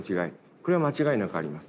これは間違いなくあります。